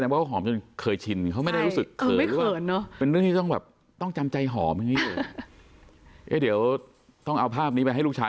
พอกับแม่คงต้องเดินเช้า